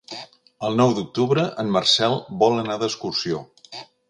El nou d'octubre en Marcel vol anar d'excursió.